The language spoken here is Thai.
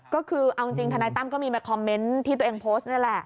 ก็คือเอาจริงทนายตั้มก็มีมาคอมเมนต์ที่ตัวเองโพสต์นี่แหละ